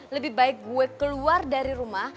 lebih baik gue keluar dari rumah